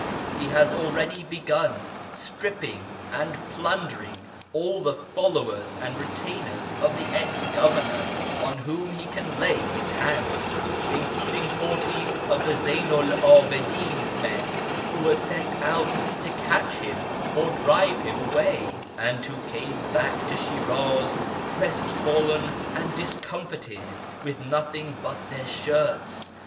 He has already begun stripping and plundering all the followers and retainers of the ex governor on whom he can lay his hands, including forty of Zeynu 'l 'Abidin's men who were sent out to catch him or drive him away, and who came back to Shiraz crestfallen and discomfited, with nothing but their shirts.